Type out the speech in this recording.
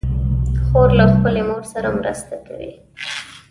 خور له خپلې مور سره مرسته کوي.